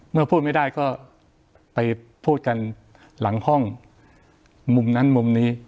พูดไม่ได้ก็ไปพูดกันหลังห้องมุมนั้นมุมนี้